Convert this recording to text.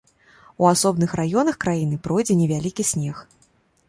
У асобных раёнах краіны пройдзе невялікі снег.